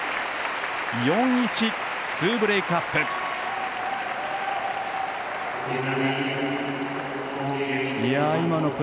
４−１、２ブレークアップ。